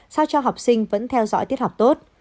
sao cho học sinh vẫn theo dõi tiết học tốt